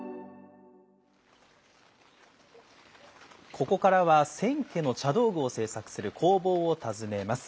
ここからは千家の茶道具を製作する工房を訪ねます。